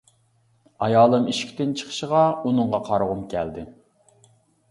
ئايالىم ئىشىكتىن چىقىشىغا ئۇنىڭغا قارىغۇم كەلدى.